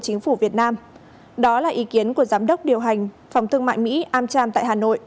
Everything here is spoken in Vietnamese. chính phủ việt nam đó là ý kiến của giám đốc điều hành phòng thương mại mỹ amcham tại hà nội